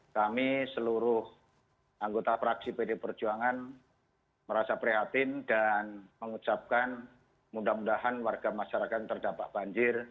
kami seluruh anggota praksi pd perjuangan merasa prihatin dan mengucapkan mudah mudahan warga masyarakat terdampak banjir